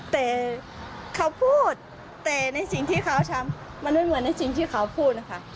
แต่เขาพูดแต่ในสิ่งที่เขาทำมันไม่เหมือนในสิ่งที่เขาพูดนะคะ